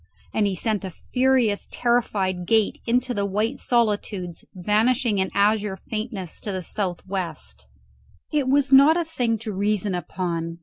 And he sent a furious terrified gaze into the white solitudes vanishing in azure faintness in the south west. It was not a thing to reason upon.